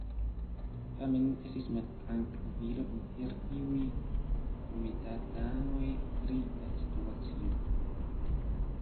Tamen estis maltrankvilo inter iuj komitatanoj pri la situacio.